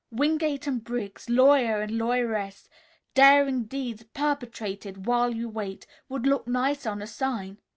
'Wingate and Briggs, Lawyer and Lawyeress. Daring Deeds Perpetrated While You Wait,' would look nice on a sign."